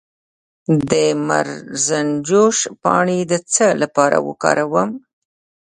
د مرزنجوش پاڼې د څه لپاره وکاروم؟